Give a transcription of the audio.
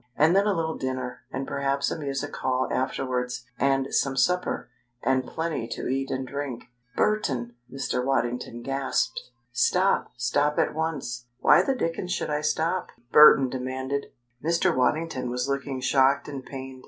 And then a little dinner, and perhaps a music hall afterwards, and some supper, and plenty to eat and drink " "Burton!" Mr. Waddington gasped. "Stop! Stop at once!" "Why the dickens should I stop?" Burton demanded. Mr. Waddington was looking shocked and pained.